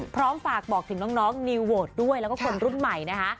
พร้อมฝากบอกถึงน้องนิวโวทด้วยแล้วก็คนรุ่นใหม่นะคะ